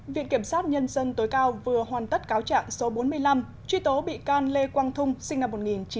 viện kiểm sát nhân dân tối cao vừa hoàn tất cáo trạng số bốn mươi năm truy tố bị can lê quang thung sinh năm một nghìn chín trăm tám mươi